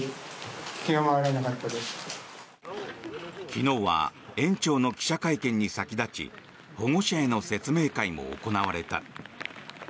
昨日は園長の記者会見に先立ち保護者への説明会も行われた。